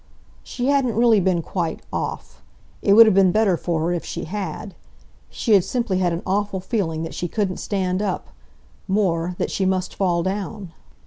She hadn't really been quite "off." It would have been better for her if she had. She had simply had an awful feeling that she couldn't stand up—more, that she must fall down.